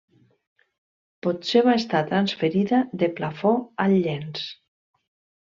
Potser va estar transferida de plafó al llenç.